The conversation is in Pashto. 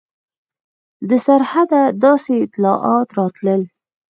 د سرحده داسې اطلاعات راتلل.